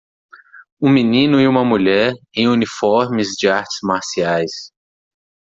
Um menino e uma mulher em uniformes de artes marciais.